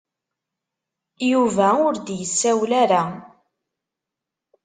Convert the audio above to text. Yuba ur d-yessawel ara.